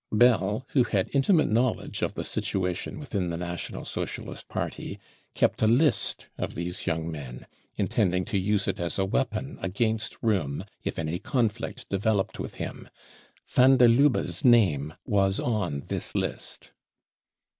Bell, who had intimate knowledge of the situation within the National Socialist Party, kept a list of these young men, intending to use it as a weapon against Rohm if any conflict developed with him. Van der Lubbe' s name was on this list.